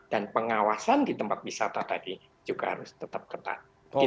dan pengawasan di tempat wisata tadi juga harus tetap ketat